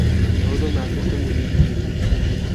دو دو میچز پہ محیط تھیں۔